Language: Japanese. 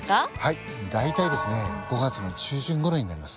大体ですね５月の中旬頃になります。